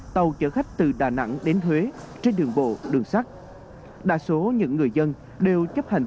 tàu chở khách từ đà nẵng đến huế trên đường bộ đường sắt đa số những người dân đều chấp hành